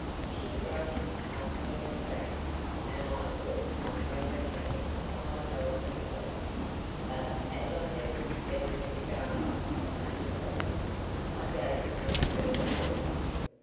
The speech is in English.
She brushed past me in a crowd, and I thought I felt her hand upon my velvet cloak, but as I never suspected the garment contained a pocket, I gave it no further thought.